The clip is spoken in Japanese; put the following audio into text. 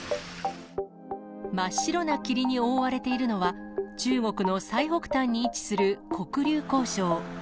真っ白な霧に覆われているのは、中国の最北端に位置する黒竜江省。